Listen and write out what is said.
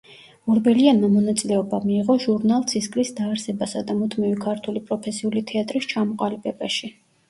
ორბელიანმა მონაწილეობა მიიღო ჟურნალ „ცისკრის“ დაარსებასა და მუდმივი ქართული პროფესიული თეატრის ჩამოყალიბებაში.